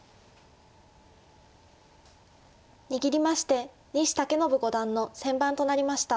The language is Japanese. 握りまして西健伸五段の先番となりました。